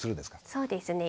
そうですね。